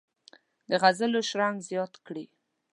د غزلو شرنګ زیات کړي.